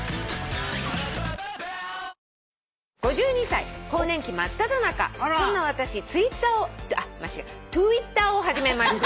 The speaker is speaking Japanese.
「５２歳更年期真っただ中そんな私Ｔｗｉｔｔｅｒを」あっ間違えた。